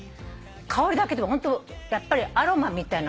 香りだけでホントやっぱりアロマみたいな。